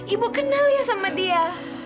ibu kenal ya sama dia